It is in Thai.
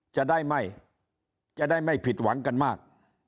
จะได้ไม่ผิดหวังกันมาก